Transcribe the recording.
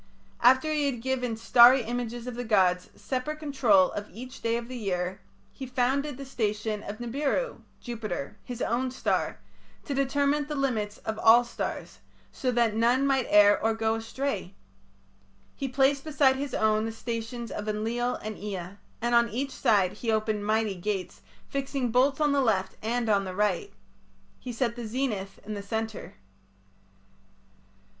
After he had given starry images of the gods separate control of each day of the year, he founded the station of Nibiru (Jupiter), his own star, to determine the limits of all stars, so that none might err or go astray. He placed beside his own the stations of Enlil and Ea, and on each side he opened mighty gates, fixing bolts on the left and on the right. He set the zenith in the centre.